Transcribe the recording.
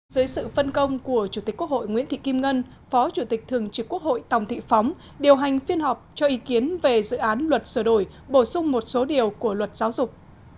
dưới sự phân công của chủ tịch quốc hội nguyễn thị kim ngân phó chủ tịch thường trực quốc hội tòng thị phóng điều hành phiên họp cho ý kiến về dự án luật sửa đổi bổ sung một số điều của luật giáo dục